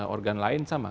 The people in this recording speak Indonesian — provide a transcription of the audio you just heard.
organ lain sama